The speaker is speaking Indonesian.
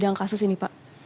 yang kasus ini pak